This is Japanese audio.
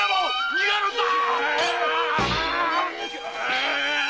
逃げるんだ！